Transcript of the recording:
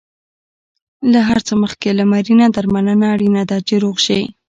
له هر څه مخکې لمرینه درملنه اړینه ده، چې روغ شې.